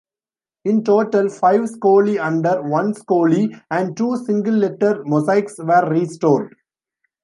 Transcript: In total, five 'Scollay Under', one 'Scollay', and two single-letter mosaics were restored.